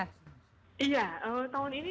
tahun ini hitung hitung aja udah ada tujuh superhero